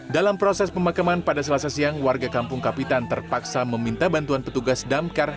dalam proses pemakaman pada selasa siang warga kampung kapitan terpaksa meminta bantuan petugas damkar